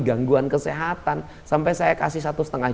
gangguan kesehatan sampai saya kasih